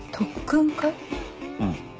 うん。